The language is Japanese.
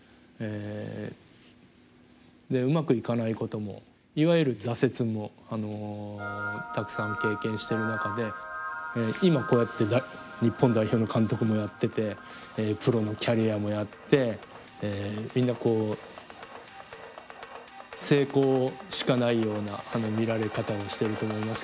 でうまくいかないこともいわゆる挫折もたくさん経験してる中で今こうやって日本代表の監督もやっててプロのキャリアもやってみんなこう成功しかないような見られ方をしていると思いますけど。